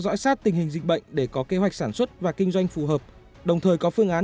dõi sát tình hình dịch bệnh để có kế hoạch sản xuất và kinh doanh phù hợp đồng thời có phương án